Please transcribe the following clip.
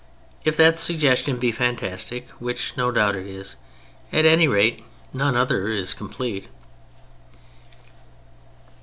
If that suggestion be fantastic (which no doubt it is), at any rate none other is complete.